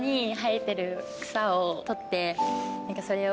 それを。